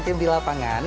tim di lapangan